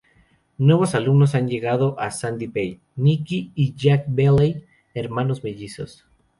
Nuevos alumnos han llegado a Sandy Bay: Nikki y Jack Baley, hermanos mellizos.